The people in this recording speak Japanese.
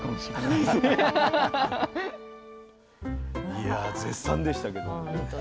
いや絶賛でしたけども。